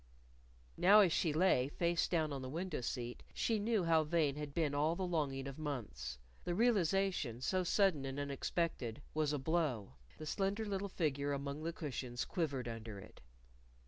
Now as she lay, face down, on the window seat, she know how vain had been all the longing of months. The realization, so sudden and unexpected, was a blow. The slender little figure among the cushions quivered under it.